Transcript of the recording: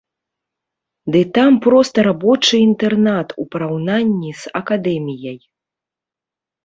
Ды там проста рабочы інтэрнат у параўнанні з акадэміяй!